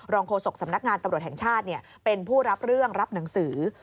โฆษกสำนักงานตำรวจแห่งชาติเป็นผู้รับเรื่องรับหนังสือ